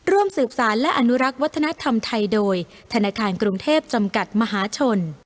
ร่วมสืบสารและอนุรักษ์วัฒนธรรมไทยโดยธนาคารกรุงเทพจำกัดมหาชน